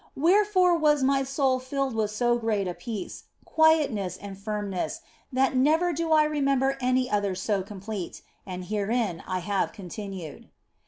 Wherefore was my soul filled with so great a peace, quietness, and firmness that never do I remember any other so complete ; and herein have I continued.